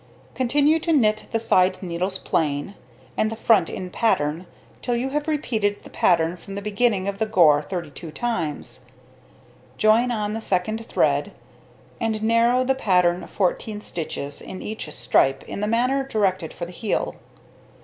Continue to knit the side needles plain, and the front in pattern, till you have repeated the pattern from the beginning of the gore 32 times, join on the second thread, and narrow the pattern 14 stitches in each stripe in the manner directed for the heel.